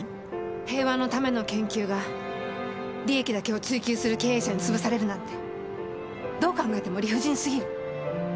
平和のための研究が利益だけを追求する経営者に潰されるなんてどう考えても理不尽すぎる。